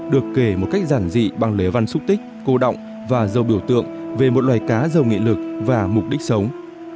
được kể một cách giản dị bằng lễ văn xúc tích cô động và giàu biểu tượng về một loài cá giàu nghị lực và mục đích sống